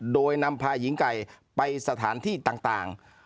โดยนำพาหญิงไก่ไปสถานที่ต่าง